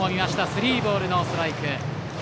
スリーボール、ノーストライク。